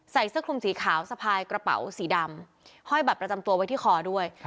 เสื้อคลุมสีขาวสะพายกระเป๋าสีดำห้อยบัตรประจำตัวไว้ที่คอด้วย